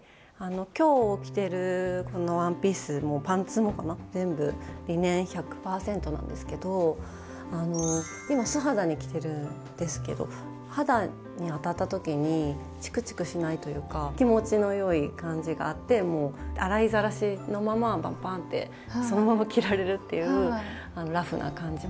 今日着てるこのワンピースもパンツもかな全部リネン１００％なんですけど今素肌に着てるんですけど肌に当たった時にチクチクしないというか気持ちの良い感じがあってもう洗いざらしのままパンパンってそのまま着られるっていうラフな感じもすごく気に入ってます。